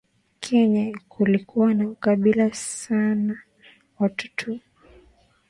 Kenya kulikuwa na ukabila sana Watu wa